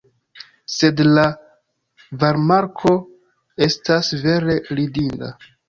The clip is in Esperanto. Sed la varmarko estas vere ridinda!